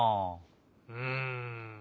うん。